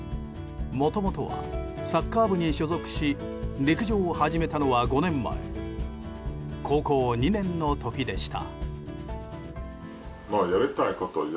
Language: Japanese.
もともとはサッカー部に所属し陸上を始めたのは５年前高校２年の時でした。